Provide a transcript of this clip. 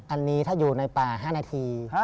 อันนี้ถ้าอยู่ในป่า๕นาที